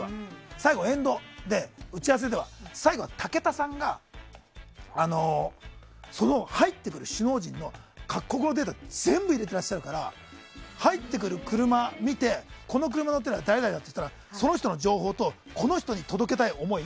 最後、エンドで打ち合わせでは最後は武田さんが入ってくる首脳陣の各国のデータ全部入れてらっしゃるから入ってくる車を見てこの車に乗っているのは誰だってなったらその人の情報とこの人に届けたい思い